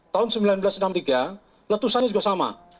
tahun seribu sembilan ratus enam puluh tiga letusannya juga sama